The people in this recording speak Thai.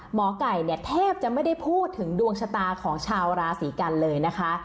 หมอไก่เนี่ยแทบจะไม่ได้พูดถึงดวงชะตาของชาวราศีกันเลยนะคะ